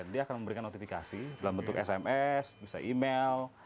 dia akan memberikan notifikasi dalam bentuk sms bisa email